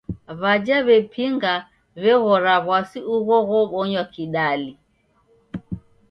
W'aja w'epinga w'eghora w'asi ugho ghobonywa kidali.